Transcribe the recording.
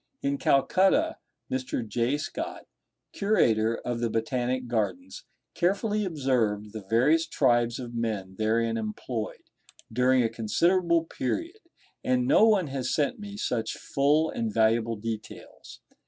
In Calcutta Mr. J. Scott, curator of the Botanic Gardens, carefully observed the various tribes of men therein employed during a considerable period, and no one has sent me such full and valuable details.